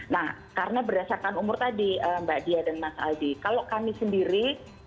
nah karena berdasarkan umur tadi mbak dea dan mas aldi kalau kami sendiri